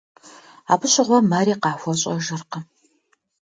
Абы щыгъуэ мэри къахуэщӀэжыркъым.